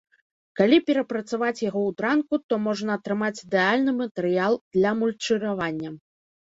Калі перапрацаваць яго ў дранку, то можна атрымаць ідэальны матэрыял для мульчыравання.